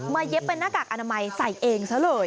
เย็บเป็นหน้ากากอนามัยใส่เองซะเลย